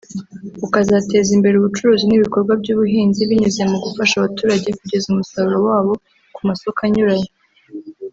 ukazateza imbere ubucuruzi n’ibikorwa by’ubuhinzi binyuze mu gufasha abaturage kugeza umusaruro wabo ku masoko anyuranye